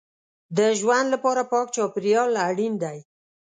د ژوند لپاره پاک چاپېریال اړین دی.